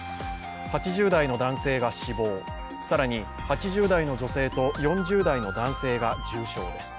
８０代の男性が死亡、更に８０代の女性と４０代の男性が重傷です。